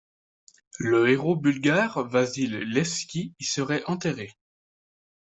Le héros bulgare Vasil Levski y serait enterré.